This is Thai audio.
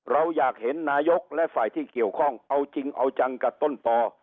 เราอยากเห็นนายกและฝ่ายที่เกี่ยวข้องเอาจริงเอาจังกับต้นปอ